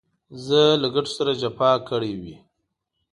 زه له ګټو سره جفا کړې وي.